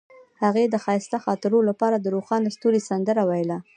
هغې د ښایسته خاطرو لپاره د روښانه ستوري سندره ویله.